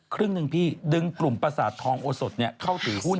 ครึ่งหนึ่งพี่ดึงกลุ่มประสาททองโอสดเข้าถือหุ้น